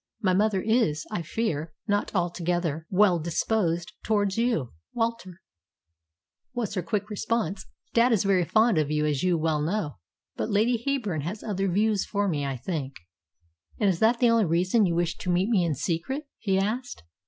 "My mother is, I fear, not altogether well disposed towards you, Walter," was her quick response. "Dad is very fond of you, as you well know; but Lady Heyburn has other views for me, I think." "And is that the only reason you wish to meet me in secret?" he asked.